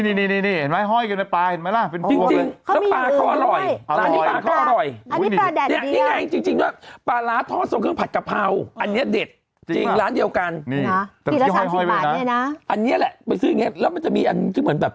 นางพริกเหมือนแบบ